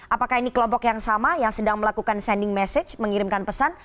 apakah ini kelompok yang sama yang sedang melakukan sending message mengirimkan pesan